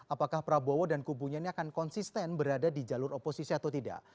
apakah prabowo dan kubunya ini akan konsisten berada di jalur oposisi atau tidak